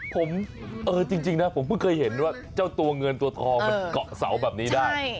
ผมจริงนะผมเพิ่งเคยเห็นว่าเจ้าตัวเงินตัวทองมันเกาะเสาแบบนี้ได้